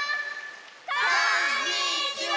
こんにちは！